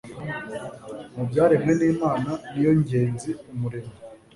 Mu byaremwe n Imana ni yo ngenzi Umuremyi